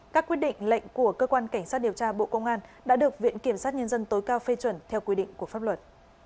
các quyết định lệnh của cơ quan cảnh sát điều tra bộ công an đã được viện kiểm sát nhân dân tối cao phê chuẩn theo quy định của pháp luật